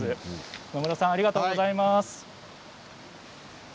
野村さん、ありがとうございます。